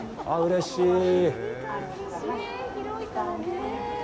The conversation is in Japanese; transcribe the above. ああ、うれしい！